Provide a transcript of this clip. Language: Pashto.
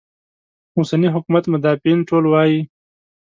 اوسني حکومت مدافعین ټول وایي.